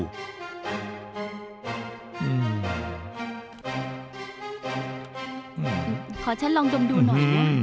อื้อหือขอฉันลองดมดูหน่อยนะ